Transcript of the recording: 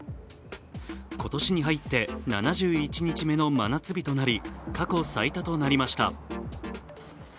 今年に入って、７１日目の真夏日となり過去最多となりました。